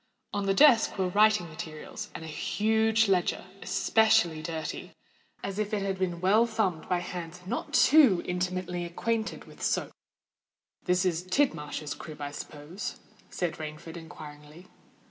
On the desk were writing materials, and a huge ledger, especially dirty, as if it had been well thumbed by hands not too intimately acquainted with soap. "This is Tidmarsh's crib, I suppose?" said Rainford inquiringly.